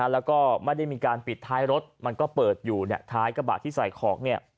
แล้วก็ไม่ได้มีการปิดท้ายรถมันก็เปิดอยู่ท้ายกระบะที่ใส่ของเนี่ย